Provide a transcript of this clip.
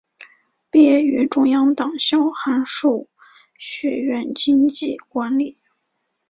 毕业于中央党校函授学院经济管理。